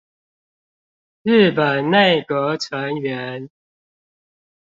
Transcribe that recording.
日本內閣成員